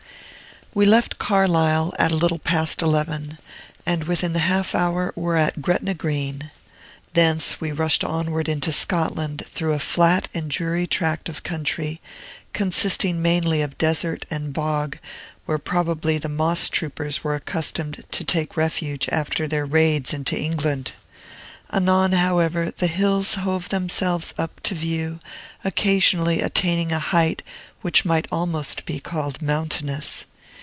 We left Carlisle at a little past eleven, and within the half hour were at Gretna Green. Thence we rushed onward into Scotland through a flat and dreary tract of country, consisting mainly of desert and bog, where probably the moss troopers were accustomed to take refuge after their raids into England. Anon, however, the hills hove themselves up to view, occasionally attaining a height which might almost be called mountainous.